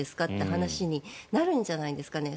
話になるんじゃないんですかね。